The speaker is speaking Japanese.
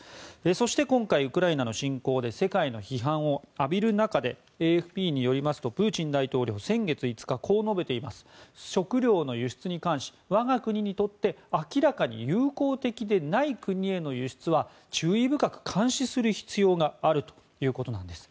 そして、今回ウクライナの侵攻で世界の批判を浴びる中でＡＦＰによりますとプーチン大統領、先月５日食糧の輸出に関し我が国にとって明らかに友好的でない国への輸出は注意深く監視する必要があるということなんです。